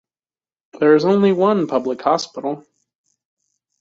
There is only one public hospital.